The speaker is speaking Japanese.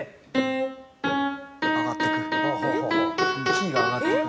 キーが上がっていく。